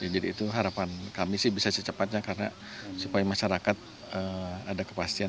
itu harapan kami sih bisa secepatnya karena supaya masyarakat ada kepastian